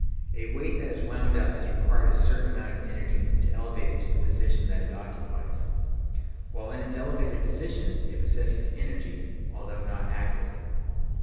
A weight that is wound up has required a certain amount of energy to elevate it to the position that it occupies. While in its elevated position it possesses energy, although not active.